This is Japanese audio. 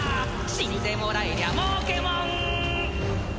死んでもらえりゃ儲けもん！